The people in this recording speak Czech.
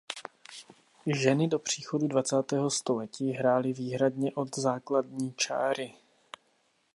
Ženy do příchodu dvacátého století hrály výhradně od základní čáry.